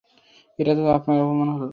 এটা তো অপমান হলো।